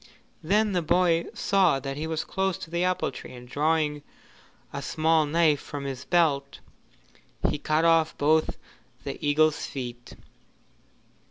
Then the boy saw that he was close to the apple tree, and drawing a small knife from his belt, he cut off both the eagle's feet.